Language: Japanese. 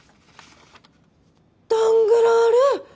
ダングラール！